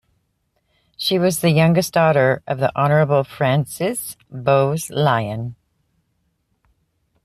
She was the youngest daughter of the Honourable Francis Bowes Lyon.